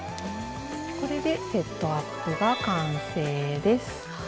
これでセットアップが完成です。